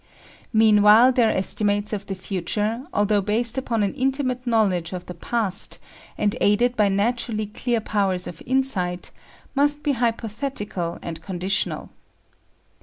Meanwhile their estimates of the future, although based upon an intimate knowledge of the past and aided by naturally clear powers of insight, must be hypothetical and conditional.